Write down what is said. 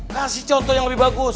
kasih contoh yang lebih bagus